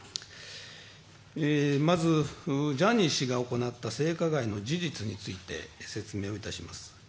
まず、ジャニー氏が行った性加害の事実について説明をいたします。